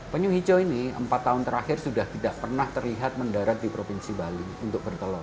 penyu hijau ini empat tahun terakhir sudah tidak pernah terlihat mendarat di provinsi bali untuk bertelur